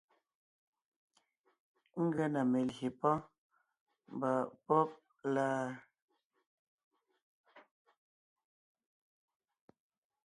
Ngʉa na melyè pɔ́ɔn mba pɔ́b la.